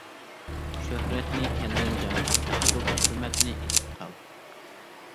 شۆھرەتنى كەلگەن جايىغا قايتۇرۇپ ھۆرمەتنى ئېلىپ قال.